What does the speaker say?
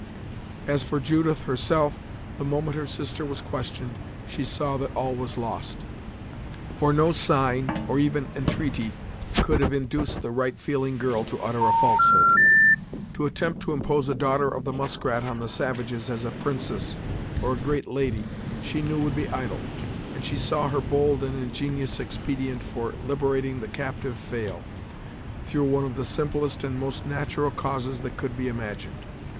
As for Judith, herself, the moment her sister was questioned, she saw that all was lost; for no sign, or even intreaty could have induced the right feeling girl to utter a falsehood. To attempt to impose a daughter of the Muskrat on the savages as a princess, or a great lady, she knew would be idle, and she saw her bold and ingenious expedient for liberating the captive fail, through one of the simplest and most natural causes that could be imagined.